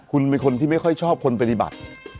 คุณเป็นคนที่ไม่ค่อยชอบคนปฏิบัติ